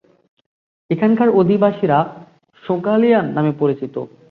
এখানকার অধিবাসীরা "সোকালিয়ান" নামে পরিচিত।